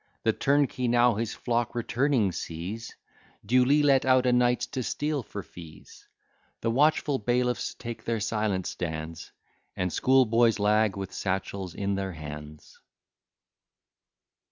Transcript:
The turnkey now his flock returning sees, Duly let out a nights to steal for fees: The watchful bailiffs take their silent stands, And schoolboys lag with satchels in their hands.